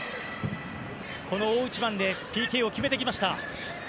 この大一番でＰＫを決めてきました。